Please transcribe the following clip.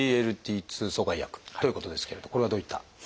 「ＳＧＬＴ２阻害薬」ということですけれどこれはどういった？